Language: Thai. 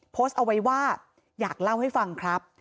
โพสต์เอาไว้ว่าอยากเล่าให้ฟังครับ